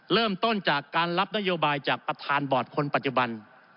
เริ่มต้นจากการรับนโยบายจากประธานบอร์ดคนปัจจุบัน